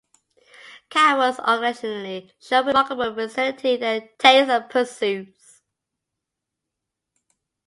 Cowboys occasionally show remarkable versatility in their tastes and pursuits.